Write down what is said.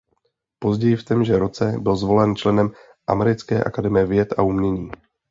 Později v témže roce byl zvolen členem Americké akademie věd a umění.